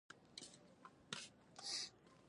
چې پۀ يخو اوبو لامبل ښۀ وي کۀ پۀ تودو اوبو ؟